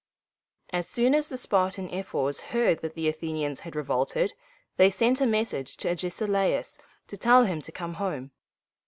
As soon as the Spartan ephors heard that the Athenians had revolted, they sent a message to Agesilaus to tell him to come home.